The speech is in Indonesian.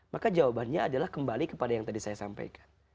maka jawabannya adalah kembali kepada yang tadi saya sampaikan